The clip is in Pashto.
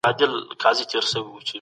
هغه د بخارا د پاچا زندان سختۍ زغملي وې.